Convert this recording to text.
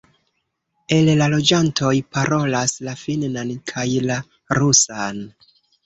El la loĝantoj parolas la finnan kaj la rusan.